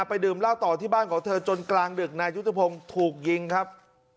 ดื่มเหล้าต่อที่บ้านของเธอจนกลางดึกนายุทธพงศ์ถูกยิงครับ